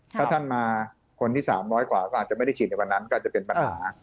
ถ้าท่านมาคนที่๓๐๐กว่าก็อาจจะไม่ได้ฉีดในวันนั้นก็จะเป็นปัญหา